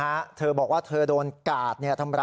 แต่ทีนี้อย่างที่บอกว่าเธอโดนกาดทำร้ายร่างกายนะฮะ